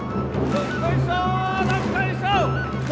どっこいしょ！